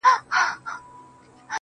شراب ترخه ترخو ته دي، و موږ ته خواږه